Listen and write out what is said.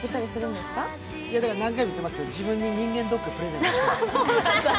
だから何回も言ってますけれども自分に人間ドックプレゼントしてますから。